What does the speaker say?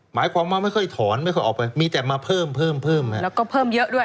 หมายความว่าไม่ค่อยถอนไม่ค่อยออกไปมีแต่มาเพิ่มเพิ่มแล้วก็เพิ่มเยอะด้วย